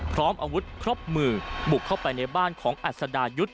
พร้อมอาวุธครบมือบุกเข้าไปในบ้านของอัศดายุทธ์